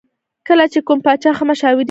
کله چې کوم پاچا ښه مشاورین ولري.